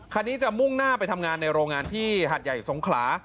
คันนี้จะมุ่งหน้าไปทำงานในโรงงานที่หัดใหญ่สงขลา